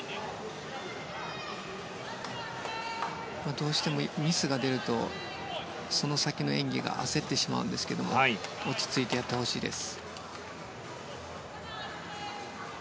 どうしてもミスが出るとその先の演技が焦ってしまうんですけれども落ち着いてやってほしいです。